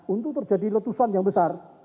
untuk terjadi letusan yang besar